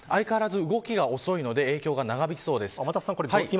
相変わらず動きが遅いので影響が長引きそうです。